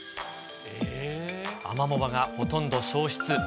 アマモ場がほとんど消失。